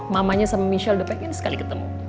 mamanya sama michelle udah pengen sekali ketemu